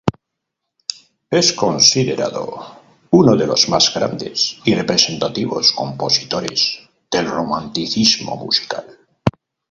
Es considerado uno de los más grandes y representativos compositores del Romanticismo musical.